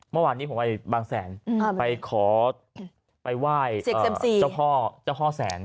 เมื่อวานนี้ผมไปบางแสนไปขอไปไหว้เจ้าพ่อเจ้าพ่อแสน